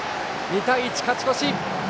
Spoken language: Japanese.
２対１、勝ち越し！